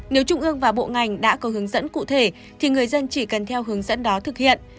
nếu trung ương và bộ ngành đã có hướng dẫn cụ thể thì người dân chỉ cần theo hướng dẫn đó thực hiện